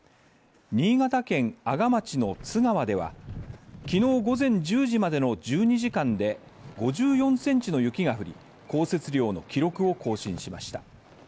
新潟県阿賀町の津川では昨日午前１０時までの１２時間で５４ｃｍの雪が降り、降雪量の記録を更新しました。